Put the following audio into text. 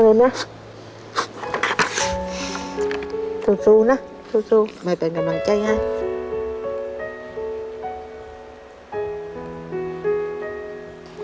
สู้นะสู้ไม่เป็นดำนะงใจไง